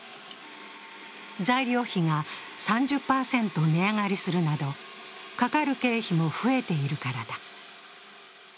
材料費が３０％値上がりするなど、かかる経費も増えているからだ。